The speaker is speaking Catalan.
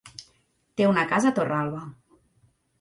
Té una casa a Torralba.